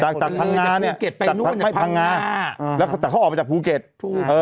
จากจากพังงาเนี้ยจากพังงาแล้วแต่เขาออกมาจากภูเก็ตเออ